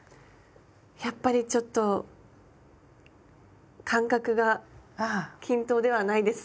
やっぱりちょっと間隔が均等ではないです。